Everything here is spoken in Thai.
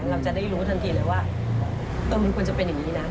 เราจะได้รู้ทันทีเลยว่ามันควรจะเป็นอย่างนี้นะ